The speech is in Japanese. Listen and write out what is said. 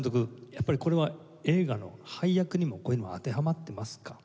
やっぱりこれは映画の配役にもこういうのは当てはまってますか？